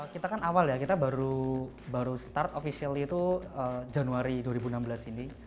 kita kan awal ya kita baru start officially itu januari dua ribu enam belas ini